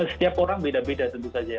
setiap orang beda beda tentu saja ya